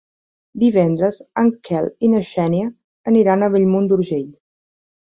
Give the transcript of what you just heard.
Divendres en Quel i na Xènia aniran a Bellmunt d'Urgell.